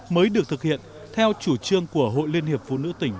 mới được thực hiện theo chủ trương của hội liên hiệp phụ nữ tỉnh